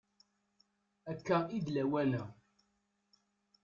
Akka i d lawan-a.